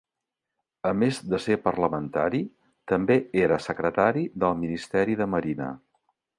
A més de ser parlamentari, també era secretari del Ministeri de Marina.